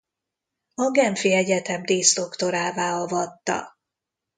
A Genfi Egyetem díszdoktorává avatta.